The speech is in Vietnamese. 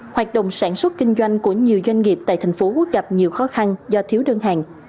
hoạt động sản xuất kinh doanh của nhiều doanh nghiệp tại thành phố gặp nhiều khó khăn do thiếu đơn hàng